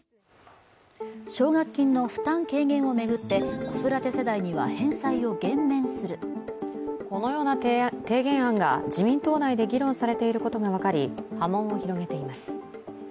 奨学金の負担軽減を巡って子育て世代には返済を減免する、このような提言案が自民党内で議論されていることが分かり、波紋を広げています。